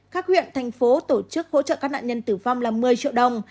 các huyện thành phố tổ chức hỗ trợ các nạn nhân tử vong là một mươi triệu đồng